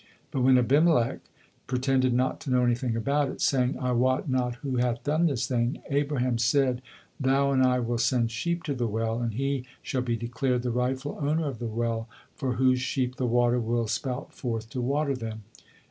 But when Abimelech pretended not to know anything about it, saying, "I wot not who hath done this thing," Abraham said: "Thou and I will send sheep to the well, and he shall be declared the rightful owner of the well, for whose sheep the water will spout forth to water them.